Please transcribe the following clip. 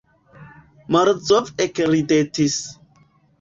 Morozov ekridetis.